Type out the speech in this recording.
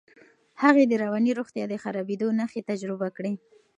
هغې د رواني روغتیا د خرابېدو نښې تجربه کړې.